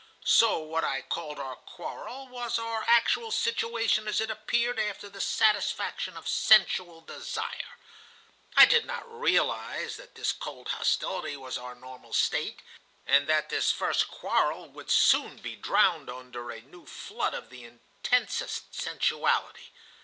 "So what I called our quarrel was our actual situation as it appeared after the satisfaction of sensual desire. I did not realize that this cold hostility was our normal state, and that this first quarrel would soon be drowned under a new flood of the intensest sensuality.